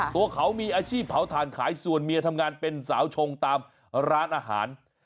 ตัวเขามีอาชีพเผาถ่านขายส่วนเมียทำงานเป็นสาวชงตามร้านอาหาร